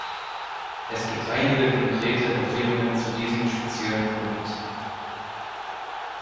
Es gibt einige konkrete Empfehlungen zu diesem speziellen Punkt.